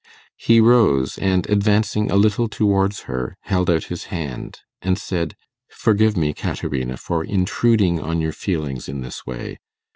He rose, and, advancing a little towards her, held out his hand and said, 'Forgive me, Caterina, for intruding on your feelings in this way.